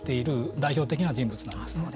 代表的な人物なんですね。